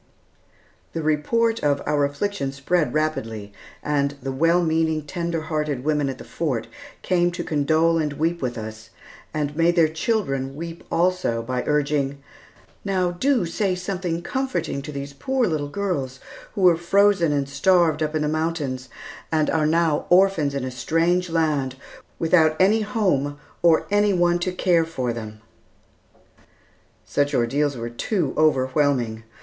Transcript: The report of our affliction spread rapidly, and the well meaning, tender hearted women at the Fort came to condole and weep with us, and made their children weep also by urging, "Now, do say something comforting to these poor little girls, who were frozen and starved up in the mountains, and are now orphans in a strange land, without any home or any one to care for them." Such ordeals were too overwhelming.